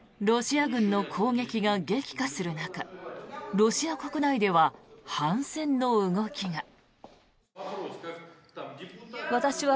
ロシア軍の攻撃が激化する中ロシア国内では反戦の動きが。